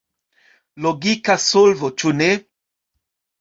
Logika solvo, ĉu ne?